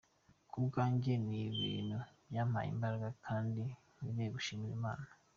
Ku bwanjye ni ibintu byampaye imbaraga kandi nkwiriye gushimira Imana.